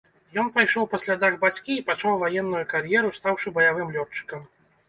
Ён пайшоў па слядах бацькі і пачаў ваенную кар'еру, стаўшы баявым лётчыкам.